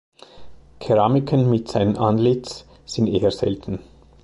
Keramiken mit seinem Antlitz sind eher selten.